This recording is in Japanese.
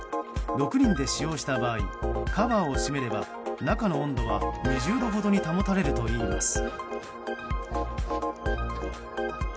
６人で使用した場合カバーを閉めれば中の温度は２０度ほどに保たれるといいます。